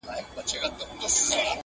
د پاچا له فقیرانو سره څه دي؟!.